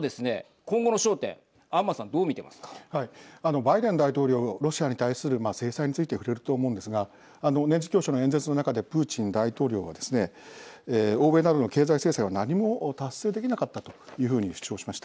バイデン大統領ロシアに対する制裁について触れると思うんですが年次教書の演説の中でプーチン大統領はですね欧米などの経済制裁は何も達成できなかったというふうに主張しました。